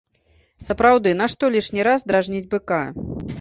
Сапраўды, нашто лішні раз дражніць быка?